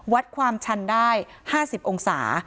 วัดความชันได้๕๐องศา